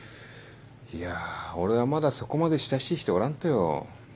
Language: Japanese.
いや俺はまだそこまで親しい人おらんとよ。